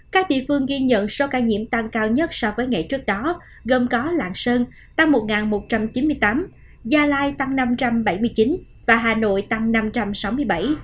các địa phương ghi nhận số ca nhiễm tăng cao nhất so với ngày trước đó gồm có lạng sơn tăng một một trăm chín mươi tám gia lai tăng năm trăm bảy mươi chín và hà nội tăng năm trăm sáu mươi bảy